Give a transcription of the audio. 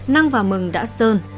năng và mừng đã sơn